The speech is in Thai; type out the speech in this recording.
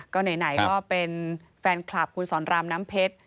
ก็ไหนก็เป็นแฟนคลับคุณสอนรามน้ำเพชร